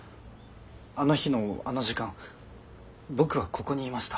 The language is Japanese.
あの日のあの時間僕はここにいました。